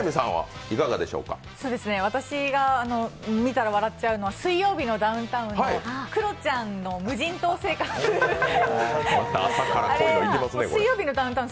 私が見たら笑っちゃうのは、「水曜日のダウンタウン」のクロちゃんの無人島生活、あれ「水曜日のダウンタウン」